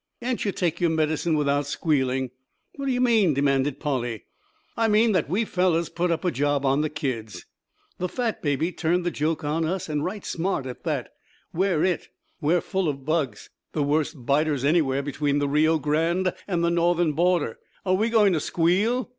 Can't you take your medicine without squealing?" "What do you meant" demanded Polly. "I mean that we fellows put up a job on the kids. The fat baby turned the joke on us, and right smart at that. We're It. We're full of bugs the worst biters anywhere between the Rio Grande and the northern border. Are we going to squeal?